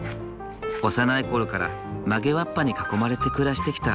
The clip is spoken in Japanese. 幼い頃から曲げわっぱに囲まれて暮らしてきた柴田さん。